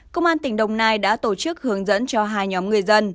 công an tỉnh đồng nai đã tổ chức hướng dẫn cho hai nhóm người dân